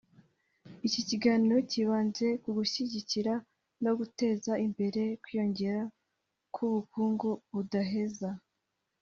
Iki kiganiro cyibanze k’ugushyigikira no guteza imbere ukwiyongera k’ubukungu budaheza